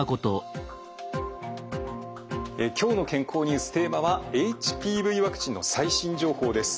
「きょうの健康ニュース」テーマはＨＰＶワクチンの最新情報です。